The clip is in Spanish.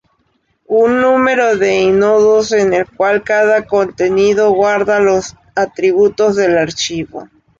Un número de i-nodos, en el cual cada conteniendo guarda los atributos del archivo.